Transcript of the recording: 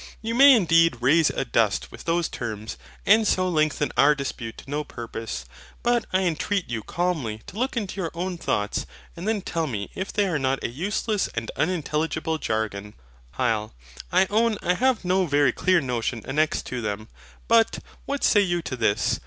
You may indeed raise a dust with those terms, and so lengthen our dispute to no purpose. But I entreat you calmly to look into your own thoughts, and then tell me if they are not a useless and unintelligible jargon. HYL. I own I have no very clear notion annexed to them. But what say you to this?